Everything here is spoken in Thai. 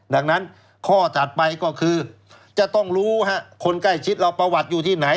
ดังนั้นข้อถัดไปก็คือจะต้องรู้คนใกล้ชิดเราประวัติอยู่ที่ไหน